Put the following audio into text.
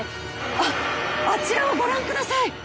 あっあちらをご覧ください！